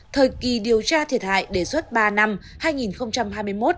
thời kỳ điều tra thiệt hại đề xuất ba năm hai nghìn hai mươi một hai nghìn hai mươi ba